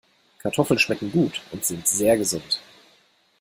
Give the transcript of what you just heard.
Kartoffeln schmecken gut und sind sehr gesund.